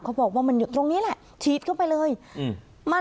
เขาบอกว่ามันอยู่ตรงนี้แหละฉีดเข้าไปเลย